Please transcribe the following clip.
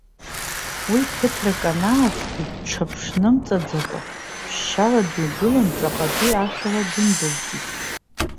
Уи ԥыҭрак анааҵ, иҽаԥшнымҵаӡакәа ԥшьшьала дҩагылан, ҵаҟатәи ашәала дындәылҵит.